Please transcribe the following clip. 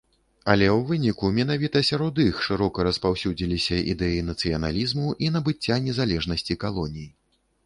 Але ў выніку менавіта сярод іх шырока распаўсюдзіліся ідэі нацыяналізму і набыцця незалежнасці калоній.